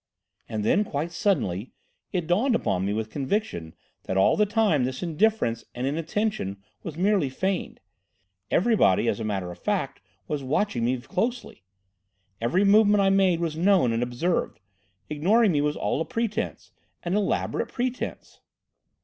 "And then, quite suddenly, it dawned upon me with conviction that all the time this indifference and inattention were merely feigned. Everybody as a matter of fact was watching me closely. Every movement I made was known and observed. Ignoring me was all a pretence—an elaborate pretence."